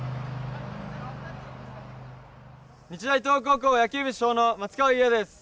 日大東北高校野球部主将の松川侑矢です。